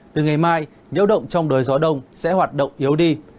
từ ngày mai nhiễu động trong đời gió đông sẽ hoạt động yếu đi